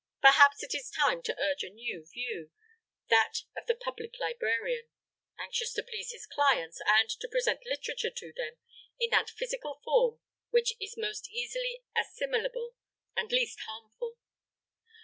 Perhaps it is time to urge a new view that of the public librarian, anxious to please his clients and to present literature to them in that physical form which is most easily assimilable and least harmful.